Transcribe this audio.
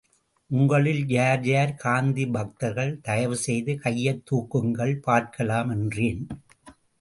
உங்களில் யார் யார், காந்தி பக்தர்கள் தயவு செய்து கையைத் தூக்குங்கள் பார்க்கலாம் என்றேன்.